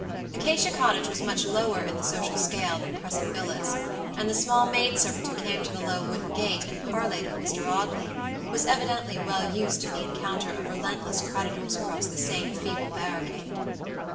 Acacia Cottage was much lower in the social scale than Crescent Villas, and the small maid servant who came to the low wooden gate and parleyed with Mr. Audley, was evidently well used to the encounter of relentless creditors across the same feeble barricade.